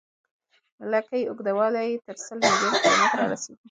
لکۍ اوږدوالی یې تر سل میلیون کیلومتره رسیږي.